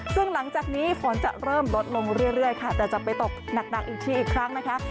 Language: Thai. ซึ่งหลังจากนี้ฝนจะเริ่มลดลงเรื่อยค่ะแต่จะไปตกหนักอีกทีอีกครั้งนะคะ